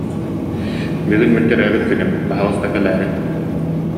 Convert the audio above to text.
Бүгүн мин төрөөбүт күнүм, баһаалыста кэлээриҥ